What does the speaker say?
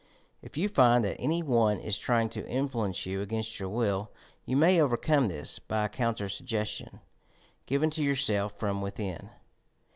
If you find that any one is trying to influence you against your will, you may overcome this by counter suggestion given to yourself from within.